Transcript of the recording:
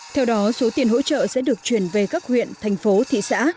theo đó số tiền hỗ trợ sẽ được chuyển về các huyện thành phố thị xã